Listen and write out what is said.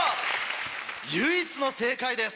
唯一の正解です。